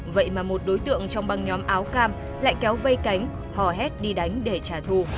vậy mà một đối tượng trong băng nhóm áo cam lại kéo vây cánh hò hét đi đánh để trả thù